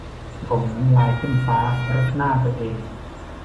ถ่มน้ำลายขึ้นฟ้า รดหน้าตัวเอง